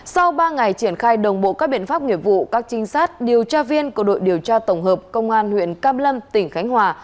sau ba ngày triển khai đồng bộ các biện pháp nghiệp vụ các trinh sát điều tra viên của đội điều tra tổng hợp công an huyện cam lâm tỉnh khánh hòa